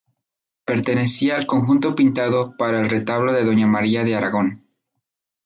Pertenecía al conjunto pintado para el retablo de doña María de Aragón.